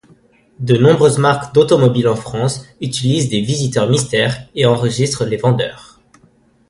De nombreuses marques d'automobiles en France utilisent des visiteurs mystère, et enregistrent les vendeurs.